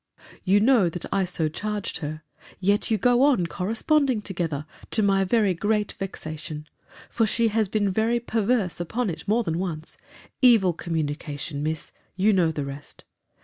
You know that I so charged her; yet you go on corresponding together, to my very great vexation; for she has been very perverse upon it more than once. Evil communication, Miss—you know the rest.